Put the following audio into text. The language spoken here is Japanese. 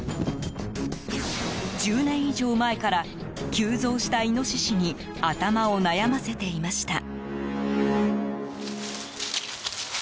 １０年以上前から急増したイノシシに頭を悩ませていました。